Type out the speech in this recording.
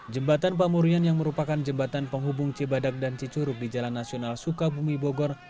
jembatan pamurian yang merupakan jembatan penghubung cibadak dan cicuruk di jalan nasional sukabumi bogor